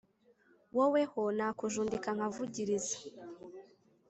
wowe ho nakujundika nkavugirirza